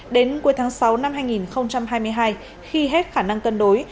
đến cuối tháng sáu năm hai nghìn hai mươi hai khi hết khả năng cân đối